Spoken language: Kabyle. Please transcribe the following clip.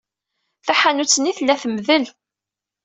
Taḥanut-nni tella temdel.